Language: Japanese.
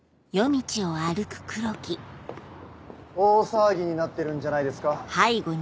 大騒ぎになってるんじゃないですか？